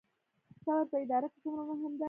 صبر په اداره کې څومره مهم دی؟